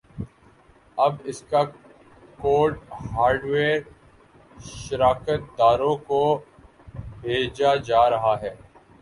اب اسکا code hardware شراکت داروں کو بھیجا جارہا ہے